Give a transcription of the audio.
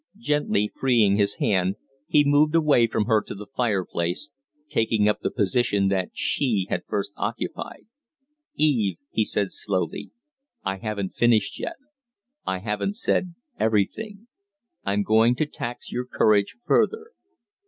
Gently freeing his hand, he moved away from her to the fireplace, taking up the position that she had first occupied. "Eve," he said, slowly, "I haven't finished yet. I haven't said everything. I'm going to tax your courage further."